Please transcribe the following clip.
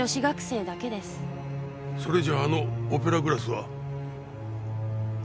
それじゃああのオペラグラスは。